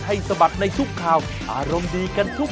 ะสวัสดีค่ะ